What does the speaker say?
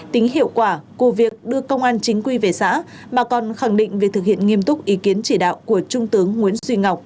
tính hiệu quả của việc đưa công an chính quy về xã mà còn khẳng định việc thực hiện nghiêm túc ý kiến chỉ đạo của trung tướng nguyễn duy ngọc